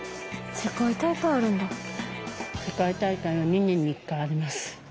世界大会は２年に一回あります。